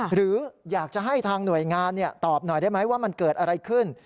หรืออยากจะให้ทางหน่วยงานตอบหน่อยได้ไหมว่ามันเกิดอะไรขึ้น